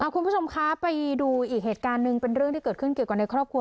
คุณผู้ชมคะไปดูอีกเหตุการณ์หนึ่งเป็นเรื่องที่เกิดขึ้นเกี่ยวกับในครอบครัว